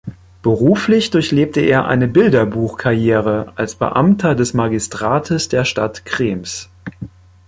Beruflich durchlebte er eine Bilderbuch-Karriere als Beamter des Magistrates der Stadt Krems.